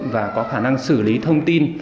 và có khả năng xử lý thông tin